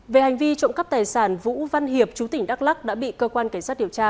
về hành vi trộm cắp tài sản vũ văn hiệp chú tỉnh đắk lắc đã bị cơ quan cảnh sát điều tra